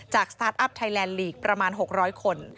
สตาร์ทอัพไทยแลนดลีกประมาณ๖๐๐คน